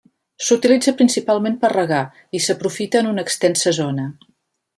S'utilitza principalment per regar i s'aprofita en una extensa zona.